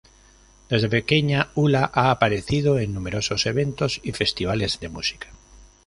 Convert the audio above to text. Desde pequeña Ula ha aparecido en numerosos eventos y festivales de música.